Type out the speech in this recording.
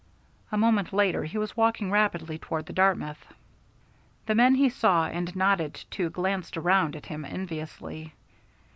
A moment later he was walking rapidly toward the Dartmouth. The men he saw and nodded to glanced round at him enviously.